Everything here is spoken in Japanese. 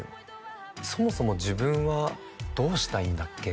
そもそも自分はどうしたいんだっけ？